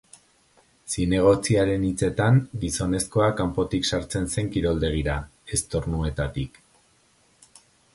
Zinegotziaren hitzetan, gizonezkoa kanpotik sartzen zen kiroldegira, ez tornuetatik.